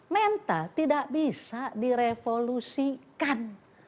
mental tidak bisa direvolusikan